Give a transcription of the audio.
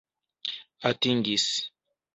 atingis